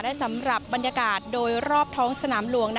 และสำหรับบรรยากาศโดยรอบท้องสนามหลวง